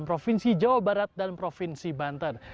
provinsi jawa barat dan provinsi banten